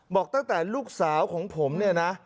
บอกตั้งแต่ลูกสาวของผมเนี่ยนะ